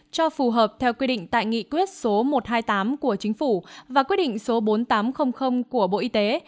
cho phù hợp theo quy định tại nghị quyết số một trăm hai mươi tám của chính phủ và quyết định số bốn nghìn tám trăm linh của bộ y tế